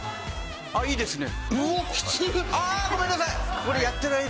いいですね。